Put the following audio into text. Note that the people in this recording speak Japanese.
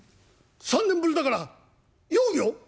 「３年ぶりだから酔うよ」。